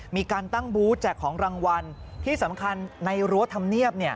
มีการตั้งบูธแจกของรางวัลที่สำคัญในรั้วธรรมเนียบ